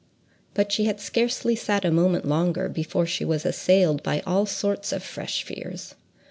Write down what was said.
But she had scarcely sat a moment longer before she was assailed by all sorts of fresh fears.